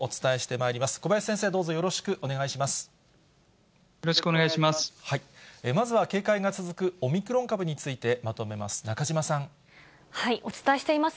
まずは、警戒が続くオミクロン株について、まとめます。